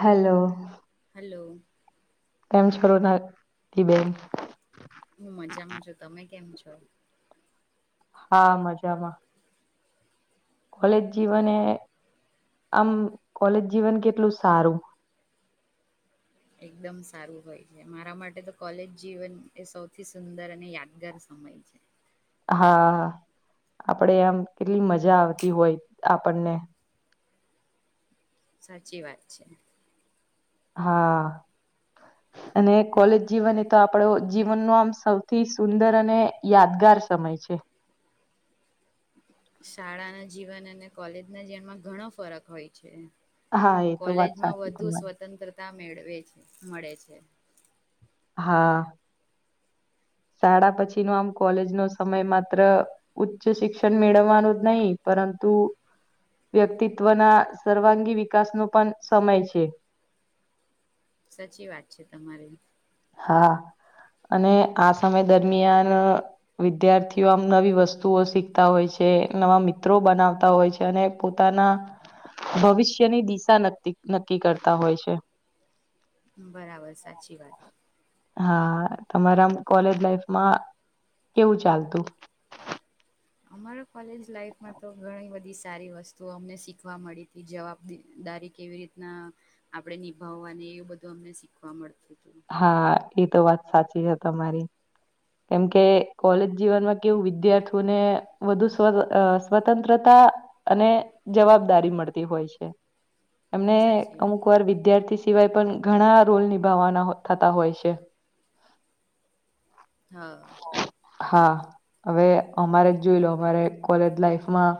Hello. Hello! તેમ છો [unintelligible] બેન હું મજામાં છું,. તમે કેમ છો? હા મજામાં. કોલેજ જીવન એ આમ કોલેજ જીવન કેટલું સારું. [inaudible] એકદમ સારું હોય છે, મારા માટે તો કોલેજ જીવન એ સૌથી સુંદર અને યાદગાર સમય છે. હા આપડે આમ કેટલી મજા આવતી હોય આપણને. સાચી વાત છે. હા. અને કોલેજ જીવન એ તો આપડો જીવનનો આમ સૌથી સુંદર અને યાદગાર સમય છે. [inaudible] શાળા ના જીવન અને કોલેજ ના જીવનમાં ઘણો ફરક હોય છે. હા એ તો વાત કોલેજમાં સાચી વધુ તમારી સ્વતંત્રતા મેળવે મળે છે. હા શાળા પછી નો આમ કોલેજ નો સમય માત્ર ઉચ્ચ શિક્ષણ મેળવવાનો જ નહી પ પરંતુ વ્યક્તિત્વના સર્વાંગી વિકાસ નું પણ સમય છે. સાચી વાત છે તમારી. હા. અને આ સમય દરમિયાન વિદ્યાર્થીઓ આમ નવી વસ્તુઓ શીખતા હોય છે જે નવા મિત્રો બનાવતા હોય છે અને પોતાના ભવિષ્યની દિશા ન નક્કી કરતા હોય છે. બરાબર સાચી વાત. હા તમારા કોલેજ લાઈફમાં કેવું ચાલતું? અમારો કોલેજ લાઈફમાં તો ઘણી બધી સારી વસ્તુઓ અમને શીખવા મળી તી, જવાબ દા દિ જવાબ [unintelligible] કેવી રીતના આપડે નિભાવવાની એવું બધું અમને શીખવા મળતું. હતું હા એ તો વાત સાચી છે તમારી. કેમ કે કોલેજ જીવનમાં કેવું વિદ્યાર્થીઓને વધુ સ અહ સ્વતંત્રતા તા અને જવાબદારી મળતી હોય છે. એમને સાચી અમુક વાત વાર વિદ્યાર્થી સિવાય પણ ઘણા રોલ નિભાવવાના હોય થતા હોય છે. હા. હા. હવે અમારે જ જોઈ લો અમારે કોલેજ લાઈફમાં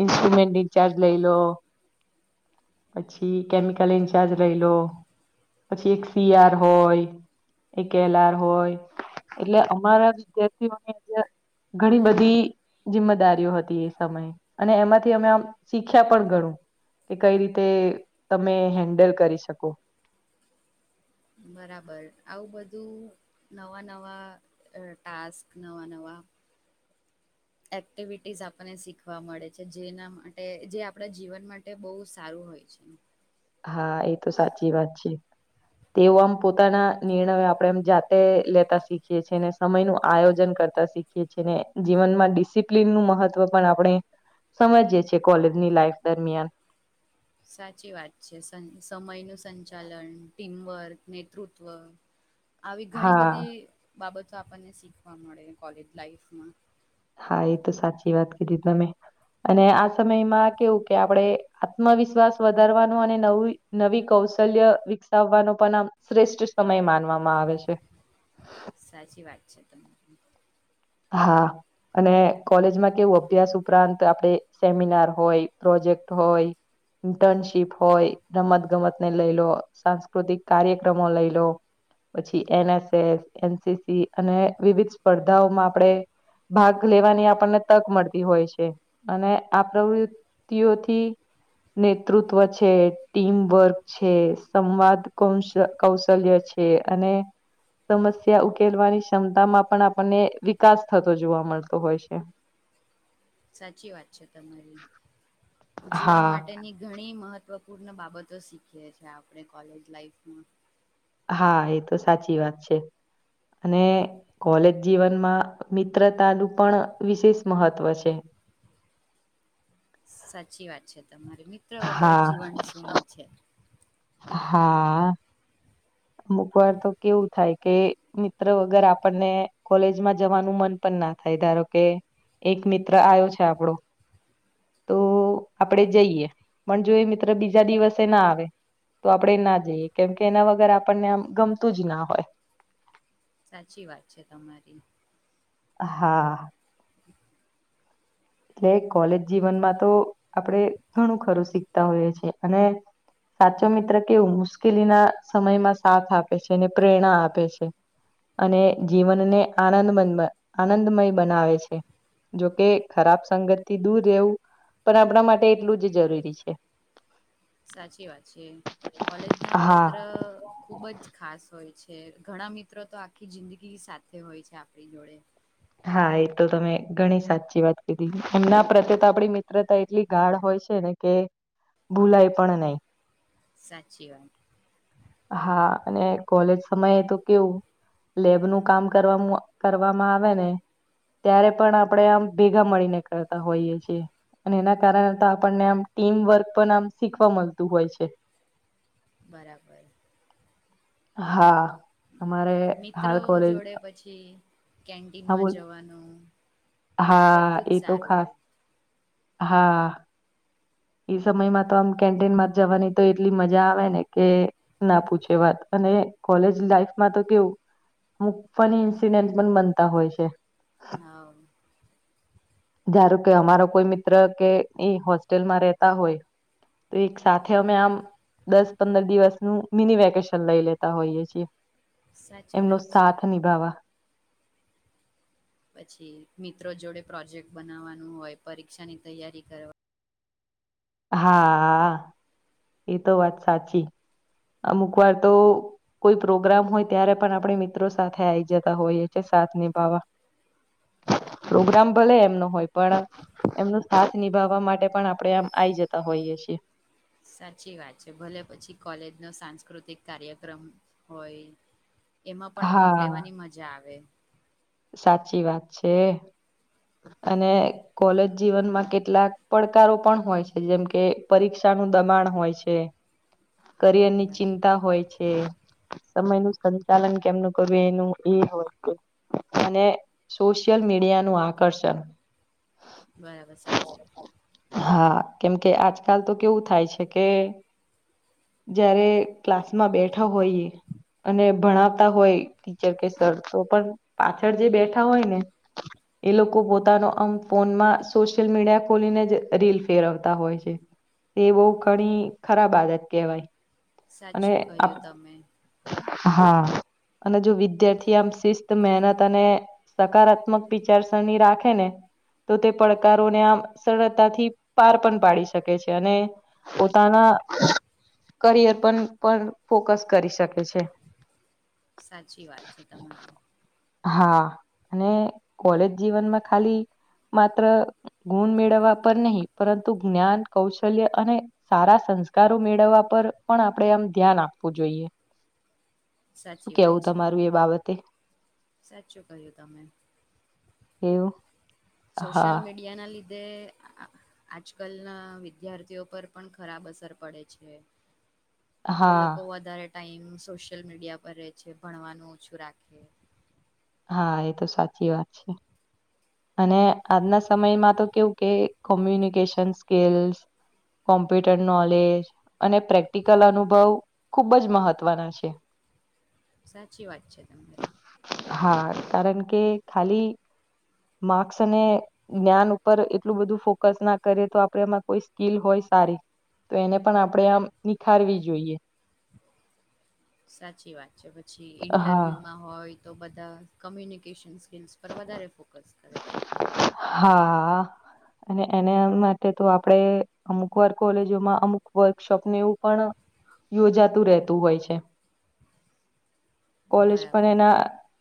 ઇન્સ્ટ્રુમેન્ટ ઇન્ચાર્જ લઈ લો પછી કેમિકલ ઇન્ચાર્જ રઈ લો, પછી એક સી આર હોય એ કેલાર હોય એટલે અમારા વિદ્યાર્થીઓને જે ઘણી બધી જિમ્મેદારીઓ હતી એ સમયે, અને એમાંથી અમે આમ શીખ્યા પણ ઘણું. કે કઈ રીતે તમે હેન્ડલ કરી શકો બરાબર. આવું બધું નવા-નવા અહ ટાસ્ક નવા-નવા [inaudible] એક્ટિવિટીઝ આપણને શીખવા મળે છે. જેના માટે જે આપણા જીવન માટે બહુ સારું હોય છે. હા એ તો સાચી વાત છે. તેવ આમ પોતાના નિર્ણયો આપણેે એમ જાતે લેતા શીખીએ છીએ ને સમય નું આયોજન ક રતા શીખીએ છે ને જીવનમાં ડિસિપ્લન નું મહત્વ પણ આપણે સમજીએ છે કોલેજની લાઈફ દરમિયાન. સાચી વાત છે. સંચ સમય નું સંચાલન, ટીમવર્ક, નેતૃત્વ [inaudible] આવી ઘણી હા બધી બાબતો આપણને શીખવા મળે કોલેજ લાઈફમાં. હા એ તો સાચી વાત કીધી તમેં. અને આ સમયમાં કેવું કે આપણેે આત્મવિશ્વાસ વધારવાનું અને નવી-નવી કૌ શલ્ય વિકસાવવાનો પણ આમ શ્રેષ્ઠ સમય માનવામાં આવે છે. સાચી વાત છે. હા. અને કોલેજમાં કેવું અભ્યાસ ઉપરાંત આપડે સેમિનાર હોય, પ્રોજેક્ટ હોય ઇન્ટર્નશીપ હોય, રમત ગમત ને લઈ લો, સાંસ્કૃતિક કાર્યક્રમો લઈ લો પછી N S S, N C C અને વિવિધ સ્પર્ધાઓમાં આપણે ભાગ લેવાની આપણને તક મળતી હોય છે. અને આ પ્ર વૃતી ઓથી નેતૃત્વ છે, ટીમ વર્ક છે, સંવાદ કૌશ કૌશલ્ય છ છે, અને સમસ્યા ઉકેલવાની ક્ષમતા માં પણ આપણને વિ કાસ થતો જોવા મલતો હોય છે. સાચી વાત છે તમારી. જીવન હા માટેની ઘણી મહ ત્વપૂર્ણ બાબતો શીખીએ છે આપણે કોલેજ લાઈફમાં. હા એ તો સાચી વાત છે. અને કોલેજ જીવનમાં મિત્રતાનું પણ વિશેષ મહત્વ છે. [inaudible] સાચી વાત છે તમારી. મિત્ર વગર હા જીવન સુુંનું છે. હા. અમુક વાર તો કેવું થાય કે મિત્ર વગર આપણને કોલેજમાં જવાનું મન પણ ના થા ય, ધારો કે એક મિત્ર આયો છે આપડો તો આપડે જઈએ, પણ જો એ મિત્ર બીજા દિવસે ના આવે તો આપણેે ના જઈએ કેમકે એના વગર આપણને આમ ગમતું જ ના હોય. સાચી વાત છે તમારી. હા એટલે કોલેજ જીવનમાં તો આપણે ઘણું ખરું શીખતા હોઈએ છેએ અને, સાચો મિત્ર કેવું મુશ્કેલી ના સમયમાં સાથ આપે છે ને પ્રેરણા આપે છે. અને જીવનને આનંદંદ આનંદમય બનાવે છે. જોકે, ખરાબ સંગતથી દૂર રહેવું પણ આપણા માટે એટલું જ જરૂરી છે. સાચી વાત છે કોલેજ ના હા. મિત્ર ખુબ જ ખાસ હોય છે. ઘણા મિત્રો તો આખી જિંદગી સાથે હોય છે આપણી જોડે. હા એ તો તમે ઘણી સાચી વાત કીધી એમના પ્રત્યે તો આપણી મિત્રતા એટલી ગાઢ હોય છે. કે ભૂલાય પણ નહી. સાચી વાત. હા અને કોલેજ સમયે તો કેવું. લેબ નું કામ કરવા કરવામાં આવે ને. ત્યારે પણ આપણેે આમ ભેગા મળીને કરતા હોઈય છીએ. અને એના કારણે તો આપણને આમ ટીમ વર્ક પણ આમ શીખવા મળતું હોય છે. બરાબર. હા. અમારે હાલ મિત્રો કોલેજ જોડે પછી હા કેન્ટીનમાં બોલ જવાનું. હા બધું જ એ તો સારું ખાસ હોય હા. ઈ સમયમાં તો આમ કેન્ટીન માં જ જવાની તો એટલી મજા આવે ને કે ના પૂછે વાત. અને કોલેજ લાઈફમાં તો કેવું મુકાની ઇન્સીિડેન્ટ પણ બનતા હોય છે. હા. જારું કે અમારો કોઈ મિત્ર કે હોસ્ટેલમાં રહેતા હોય. તો એક સાથે અમે આમ. દસ પંદર દિવસનું મિની વેકેશન લઈ લેતા હોઈએ છીએ. સાચી એમનો વાત છે સાથ નિભાાવવા. પછી મિત્રો જોડે પ્રોજેક્ટ બનાવવાનું હોય પરીક્ષાની તૈયારી કરવા હા એ તો વાત સાચી અમુક વાર તો કોઈ પ્રોગ્રામ હોય ત્યારે પણ આપણે મિત્રો સાથે આવી જતા હોઈએ છે સાથ નિભાવવા પ્રોગ્રામ ભલે એમનો હોય પણ એમનો સાથ નિભાવવા માટે પણ આપણેે આમ આ આવી જતા હોઈએ છીએ. સાચી વાત છે ભલે પછી કોલેજ નો સાંસ્કૃતિક કાર્યક્રમ હોય [inaudible] એમાં પણ ભાગ હા લેવાની મજા આવે. સાચી વાત છે. અને કોલેજ જીવનમાં કેટલાક પડકારો પણ હોય છે જેમ કે પરીક્ષા નું દબાણ હોય છે કરિયરની ચિંતા હોય છે. સમય નું સંચાલન કેમનું કરવું એનું એ હોય અને સોશિલ મીડિયા નું આકર્ષણ બરાબર સાચી. હા કેમકે આજકાલ તો કેવું થાય છે કે જારે ક્લાસમાં બેઠા હોઈએ. અને ભણાવતા હોય ટીચર કે સર તો પણ પાછળ જે બેઠા હોય ને એ લોકો પોતાનો આમ ફોનમાં સોશિયલ મીડિયા ખોલીને જ રીલ ફેરવતા હોય છે. તે બહ ઘણી ખરાબ આદત કેહેવાય સાચું કહ્યું તમે. હા અને જો વિદ્યાર્થી આમ શિસ્ત મહેનત અને સકારાત્મક પ ચારસણ ની રાખે ને. તો તે પડકારોને આમ સરળતાથી, પાર પણ પાડી શકે છે, અને પોતાના કરિયર પર પણ ફોકસ, કરી શકે છે. સાચી વાત છે, તમારી હા, અને કોલેજ જીવનમાં ખાલી માત્ર ગુણ, મેળવવા પર નહી પરંતુ જ્ઞાન કૌશલ્ય અને સારા સંસ્કારો મેળવવા, પર પણ આપણેે આમ ધ્યાન આપવું જોઈએ. શું સાચી વાત કેવું છે, તમારું એ બાબતે સાચું ક્યું તમે એવુ સોશ્યલ, મીડિયા નલ્ધે આજકાલના વિદ્યાર્થીઓ, પર પણ ખરાબ અસર પડે છે. એ હા લોકો, વધારે ટાઈમ સોશિયલ મીડિયા પર રહે છે. ભણવાનું ઓછું રાખે હા, એ તો સાચી વાત છે. અને આજના સમયમા, તો કેવું કે કોમ્યુનિકેશન સ્કીલ્સ કોમ્પ્યુટર નોલેજ, અને પ્રેક્ટિકલ અનુભવ ખુબ જ મહત્વના છે. [inaudible] સાચી વાત છે, તમારી હા, કારણ, કે ખલી માર્ક્સ અને જ્ઞાન ઉપર એટલુ બધુ ફોકસના કરે તો આપડે એમાં કોઈ સ્કીિલ હોય, સારી તો એને પણ આપણે, આમ નિખારવી જોઈએ સાચી વાત છે, પછી હા, ઇન્ટરવ્યુમાં હોય તો બધા કમ્યુનિકેશન, સ્કિલ્સ પર વધારે ફોકસ કરે તો. હા, આ અને એના માટે, તો આપડે અમુક વાર કોલેજોમાં અમુક વર્કશોપને એવું પણ યોજાતુ, રહેતું હોય છે. કોલેજ પણ બરાબર એના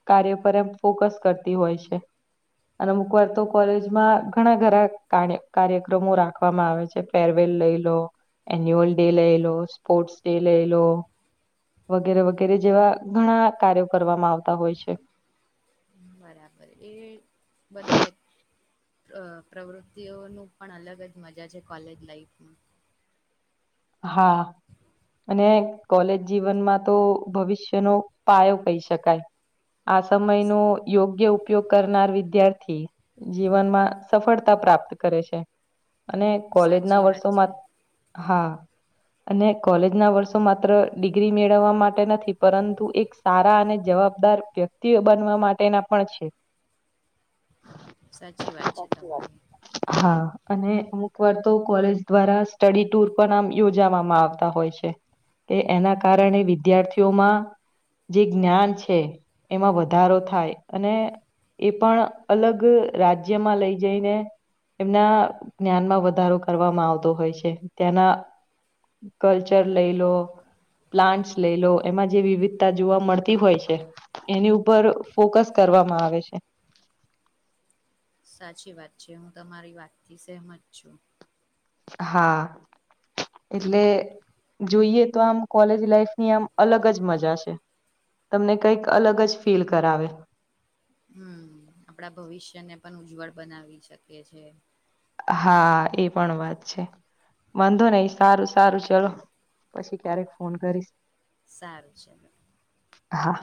કાર્ય, પર એમ ફોકસ કરતી હોય છે. અને અમુક વાર, તો કોલેજમાં ઘણા ઘરા કાર્યક્રમો રાખવામા આવે છે. ફરવેલ લઈ લો એન્યુઅલ ડે લઈ, લો સ્પોર્ટસ ડે લઈ, લો વગેરે, વગેરે જેવા, ઘણા કાર્યો, કરવામાં આવતા હોય છે. બરાબ, એ બધા પ્રવૃત્તિઓનું પણ અલગ જ મજા છે, કોલેજ લાાઈફમા હા અને કોલેજ જીવનમા, તો ભવિષ્યનો પાયો કહી શકાય આ સમય ન યોગ્ય ઉપયોગ કરનાર વિદ્યાર્થી જીવનમાં સફળતા પ્રાપ્ત કરે છે, અને કોલેજના સાચી વાત છે વર્ષોમાં, હા અને કોલેજના વર્ષો માત્ર ડિગ્રી મેળવવા માટે નથી. પરંતુ એક સારા અને જવાબદાર વ્યક્તિઓ, બનવા માટેના પણ છે. સાચી વાત છે, સાચી વાત. તમારી હા અને અમુક વાર, તો કોલેજ દ્વારા સ્ટડી ટુર પણ આમ યોજાવામાં આવતા હોય છે, કે એના કારણે વિદ્યાર્થીઓમા જે જ્ઞાન છે, એમાં વધારો થાય અને એ પણ અલગ રાજ્યમાં લઈ જઈને એમના જ્ઞાનમા વધારો કરવામાં આવતો હોય છે. ત્યાંના કલ્ચર લઈ લો પ્લાન્ટસ લઈ, લો એમા જે વિવિધતા જોવા મળતી હોય છે. એની ઉપર ફોકસ કર કરવામાં આવે છે. સાચી વાત છે, હું તમારી વાતથી સહમત છું હા એટલે જોઈએ, તો આમ કોલેજ લાઈફ ની આમ અલગ જ મજા છે. તમને કઈક અલગ જ ફીલ કરાવે હમ્મ, આપડા ભવિષ્યને પણ ઉજ્વળ બનાવી શકીએ છે. હા એ પણ વાત છે, વાંધો નઈ સારું સારું ચલો પછી ક્યારેક ઓકે ફોન કરીશ, સારું ચલો હા